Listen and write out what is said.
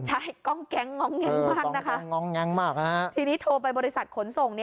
ใช่กองแกงง้องแงงมากนะคะทีนี้โทรไปบริษัทขนส่ง